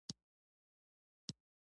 هوا د افغانستان د امنیت په اړه هم اغېز لري.